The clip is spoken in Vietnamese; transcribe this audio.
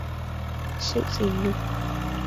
sự sỉ nhục